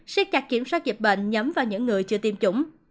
xét cặt kiểm soát dịch bệnh nhắm vào những người chưa tiêm chủng